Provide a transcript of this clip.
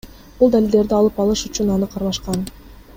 Бул далилдерди алып алыш үчүн аны кармашкан.